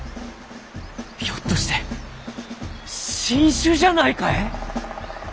ひょっとして新種じゃないかえ？